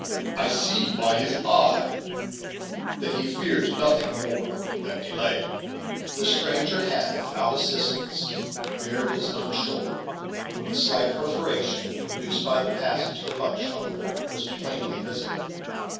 I see, by his eye, that he fears nothing more than delay." The stranger had, without assistance, bared his own shoulder, when the slight perforation produced by the pas sage of the buckshot was plainly visible.